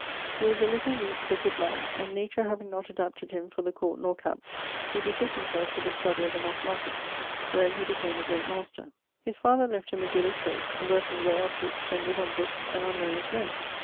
He was a little, weake, crooked man, and nature having not adapted him for the court nor campe, he betooke himselfe to the study of the mathematiques, wherin he became a great master. His father left him a good estate, the revenue wherof he expended on bookes and on learned men.